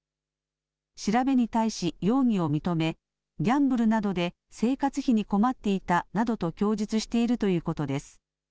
調べに対し容疑を認めギャンブルなどで生活費に困っていたなどと供述しているということです。